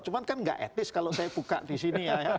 cuma kan nggak etis kalau saya buka di sini ya